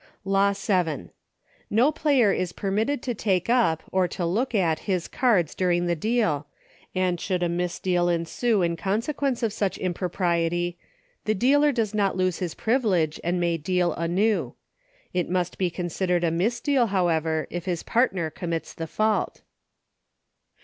Law VII. No player is permitted to take up, or to look at, his cards during the deal, and should a misdeal ensue in consequence of such im propriety, the dealer does not lose his privi lege, and may deal anew. It must be consi dered a misdeal, however, if his partner com mits the fault.